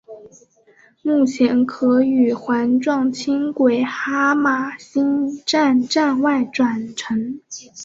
目前可与环状轻轨哈玛星站站外转乘。